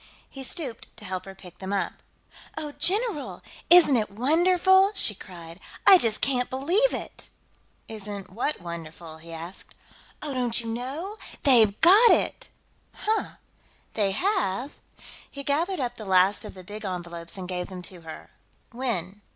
He stooped to help her pick them up. "Oh, general! Isn't it wonderful?" she cried. "I just can't believe it!" "Isn't what wonderful?" he asked. "Oh, don't you know? They've got it!" "Huh? They have?" He gathered up the last of the big envelopes and gave them to her. "When?"